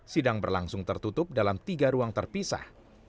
sidang berlangsung tertutup dalam tiga ruang terpisah